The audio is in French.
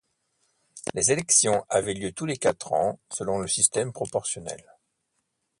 Les élections avaient lieu tous les quatre ans selon le système proportionnel.